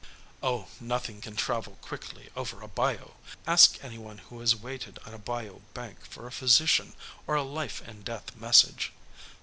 Oh, nothing can travel quickly over a bayou! Ask any one who has waited on a bayou bank for a physician or a life and death message.